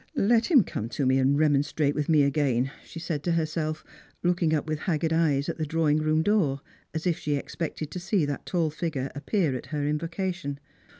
" Let him come to me and remonstrate with me again," she said to herself, looking up with haggard eyes at the drawing room door, as if she expected to see that tall figure appear at her invocation.